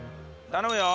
頼むよ。